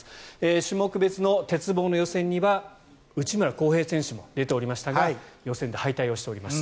種目別の鉄棒の予選には内村航平選手も出ていましたが予選で敗退をしております。